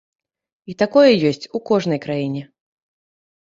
І такое ёсць у кожнай краіне.